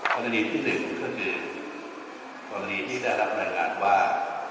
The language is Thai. กรณีที่๑ก็คือกรณีที่ได้รับรายงานว่า